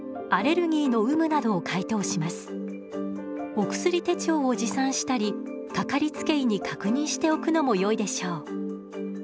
お薬手帳を持参したり掛かりつけ医に確認しておくのもよいでしょう。